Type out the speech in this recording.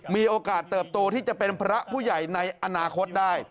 มีโอกาสเติบโตที่จะเป็นพระผู้ใหญ่ในอนาคตได้